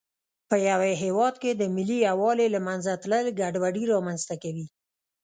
په یوه هېواد کې د ملي یووالي له منځه تلل ګډوډي رامنځته کوي.